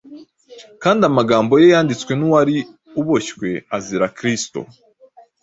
kandi amagambo ye yanditswe n’uwari uboshywe azira Kristo